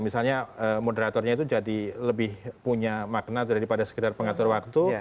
misalnya moderatornya itu jadi lebih punya makna daripada sekedar pengatur waktu